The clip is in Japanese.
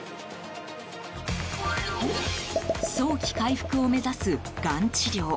早期回復を目指すがん治療。